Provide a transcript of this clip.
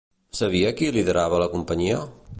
Sabia qui liderava la companyia?